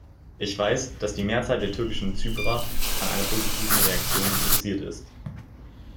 Ich weiß, dass die Mehrzahl der türkischen Zyprer an einer positiven Reaktion interessiert ist.